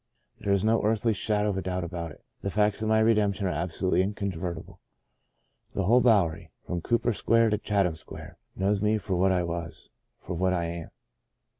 There is no earthly shadow of a doubt about it — the facts of my redemption are absolutely incontrovertible. The whole Bowery — from Cooper Square to Chatham Square — knows me for what I was, for what I am.